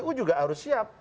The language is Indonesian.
kpu juga harus siap